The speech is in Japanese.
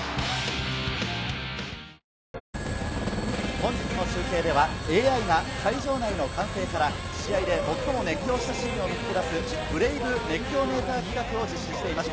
本日の中継ではＡＩが会場内の歓声から試合で最も熱狂したシーンを見つけ出す、ブレイブ熱狂メーター企画を実施しています。